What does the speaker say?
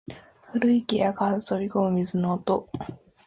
古池や蛙飛び込む水の音